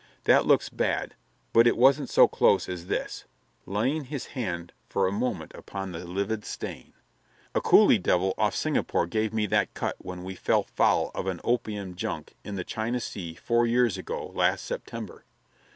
"That looks bad, but it wasn't so close as this" laying his hand for a moment upon the livid stain. "A cooly devil off Singapore gave me that cut when we fell foul of an opium junk in the China Sea four years ago last September.